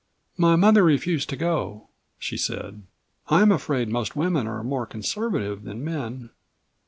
"My mother refused to go," she said. "I'm afraid ... most women are more conservative than men.